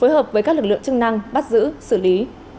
phối hợp với các lực lượng chức năng bắt giữ xử lý